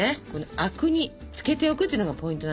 灰汁につけておくっていうのがポイントなんですよ。